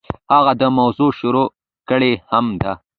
هغه دا موضوع شرح کړې هم ده.